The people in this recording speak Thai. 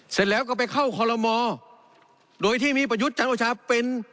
เสร็จแล้วก็ไปเข้าคอลโลมอโดยที่มีประยุทธ์จันทร์โอชาเป็น